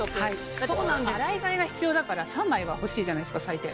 だって洗い替えが必要だから３枚は欲しいじゃないですか最低。